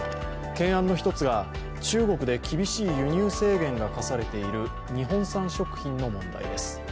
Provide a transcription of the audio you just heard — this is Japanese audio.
懸案の一つが中国で厳しい輸入制限が科されている日本産食品の問題です。